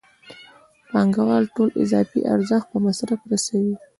پانګوال ټول اضافي ارزښت په مصرف رسوي